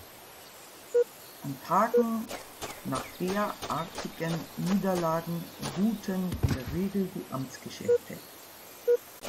An Tagen nach derartigen Niederlagen ruhten in der Regel die Amtsgeschäfte.